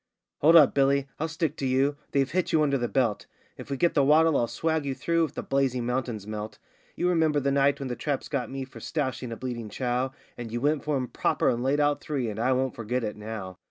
'Hold up, Billy; I'll stick to you; they've hit you under the belt; If we get the waddle I'll swag you through, if the blazing mountains melt; You remember the night when the traps got me for stoushing a bleeding Chow, And you went for 'em proper and laid out three, and I won't forget it now.